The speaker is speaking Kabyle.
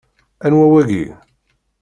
Anwa wagi?